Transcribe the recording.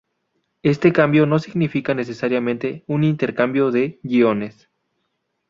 Este cambio no significa necesariamente un intercambio de iones.